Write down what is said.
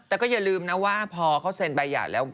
แต่ก็อย่าลืมนะว่าพอเขาเซ็นใบใหญ่แล้ว